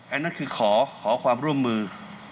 อันนั้นคือขอความร่วมมือ